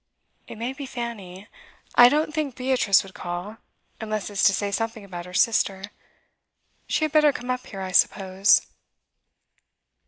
'It may be Fanny. I don't think Beatrice would call, unless it's to say something about her sister. She had better come up here, I suppose?